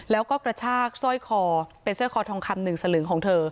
แล้วก็กระชากสร้อยคอเป็นสร้อยคอทองคำหนึ่งสลึงของเธอ